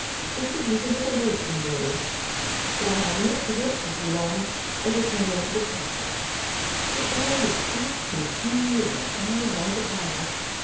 Richard was a little late in the morning, but I had not to wait for him long, and we turned into the park. The air was bright and dewy and the sky without a cloud.